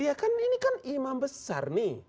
iya kan ini kan imam besar nih